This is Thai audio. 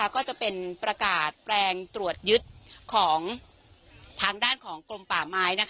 ก็จะเป็นประกาศแปลงตรวจยึดของทางด้านของกรมป่าไม้